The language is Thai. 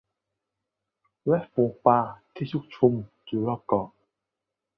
และฝูงปลาชุกชุมอยู่รอบเกาะ